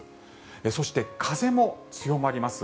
そして、風も強まります。